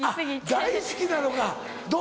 大好きなのかどう？